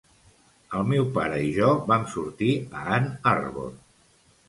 El meu pare i jo vam sortir a Ann Arbor.